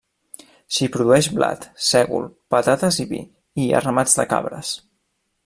S'hi produeix blat, sègol, patates i vi, i hi ha ramats de cabres.